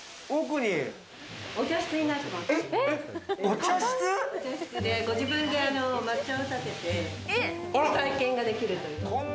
お茶室⁉ご自分で抹茶を立ててご体験ができるという。